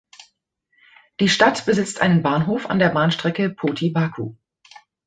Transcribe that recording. Die Stadt besitzt einen Bahnhof an der Bahnstrecke Poti–Baku.